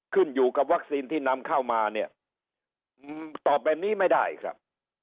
ขึ้นอยู่กับวัคซีนที่นำเข้ามาเนี่ยตอบแบบนี้ไม่ได้ครับ